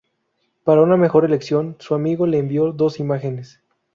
Para una mejor elección, su amigo le envió dos imágenes.